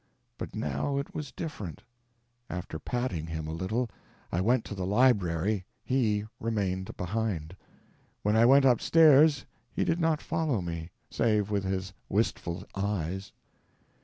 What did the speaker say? But now it was different: after patting him a little I went to the library—he remained behind; when I went upstairs he did not follow me, save with his wistful eyes.